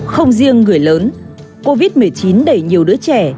không riêng người lớn covid một mươi chín đẩy nhiều đứa trẻ